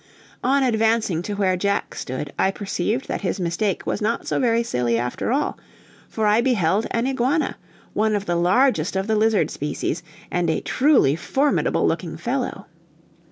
On advancing to where Jack stood, I perceived that his mistake was not so very silly after all, for I beheld an iguana, one of the largest of the lizard species, and a truly formidable looking fellow.